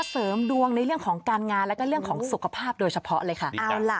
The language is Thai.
เสริมดวงในเรื่องของการงานแล้วก็เรื่องของสุขภาพโดยเฉพาะเลยค่ะ